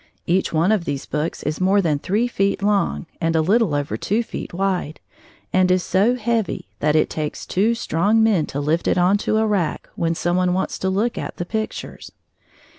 Each one of these books is more than three feet long and a little over two feet wide, and is so heavy that it takes two strong men to lift it on to a rack when some one wants to look at the pictures.